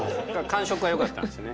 感触がよかったんですね。